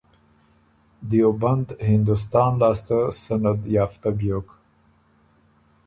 دیوبند هندوستان لاسته سندیافتۀ بیوک